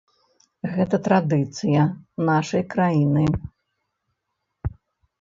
Гэта традыцыя нашай краіны.